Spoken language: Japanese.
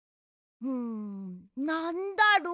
んなんだろう？